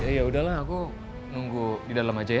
ya ya udahlah aku nunggu di dalam aja ya